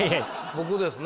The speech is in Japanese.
僕ですね。